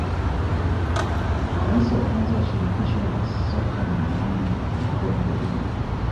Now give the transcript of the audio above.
Rais wa kwanza wa shirikisho la soka duniani alikuwa guerin